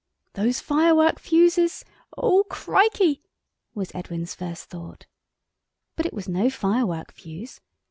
"Those firework fusees, O Crikey!" was Edwin's first thought. But it was no firework fusee.